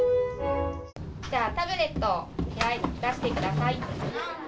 タブレット、出してください。